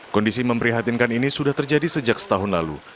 kondisi memprihatinkan ini sudah terjadi sejak setahun lalu